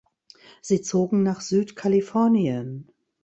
Sie zogen nach Südkalifornien.